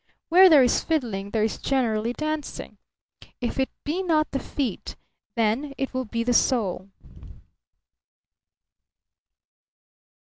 Where there is fiddling there is generally dancing. If it be not the feet, then it will be the soul.